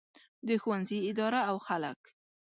د ښوونځي اداره او خلک.